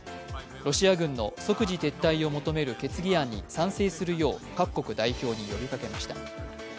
ロシア軍の即時撤退を求める決議案に賛成するよう各国代表に呼びかけました。